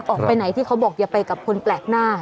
ออกไปไหนที่เขาบอกอย่าไปกับคนแปลกหน้า